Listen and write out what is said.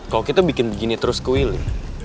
kalau kita bikin begini terus ke willy